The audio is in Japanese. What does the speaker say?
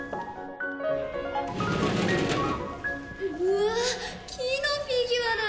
うわ木のフィギュアだ。